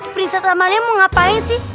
prinses tamalnya mau ngapain sih